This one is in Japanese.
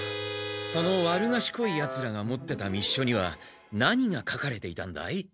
その悪がしこいヤツらが持ってた密書には何が書かれていたんだい？